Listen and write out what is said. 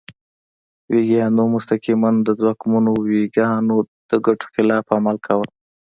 ویګیانو مستقیماً د ځواکمنو ویګیانو د ګټو خلاف عمل کاوه.